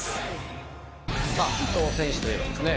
「伊藤選手といえばですね